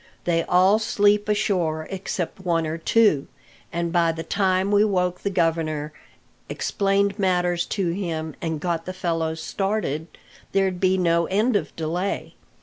"They all sleep ashore except one or two; and by the time we woke the governor, explained matters to him, and got the fellows started, there'd be no end of delay.